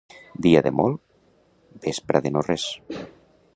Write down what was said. Dia de molt, vespra de no res.